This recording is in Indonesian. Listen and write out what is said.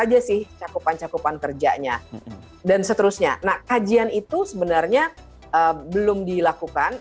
aja sih cakupan cakupan kerjanya dan seterusnya nah kajian itu sebenarnya belum dilakukan